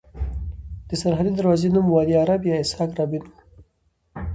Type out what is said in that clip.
د سرحدي دروازې نوم وادي عرب یا اسحاق رابین وو.